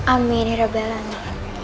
amin hirap dialami